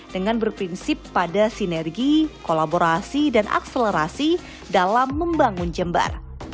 dengan berprinsip pada sinergi kolaborasi dan akselerasi dalam membangun jember